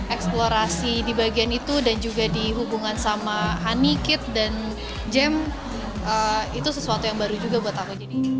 eksplorasi di bagian itu dan juga di hubungan sama honey kit dan jem itu sesuatu yang baru juga buat aku